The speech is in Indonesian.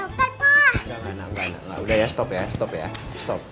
enggak enggak enggak udah ya stop ya stop ya stop